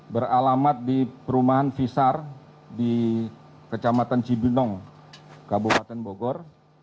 beralamat di perumahan visar di kecamatan cibinong kabupaten bogor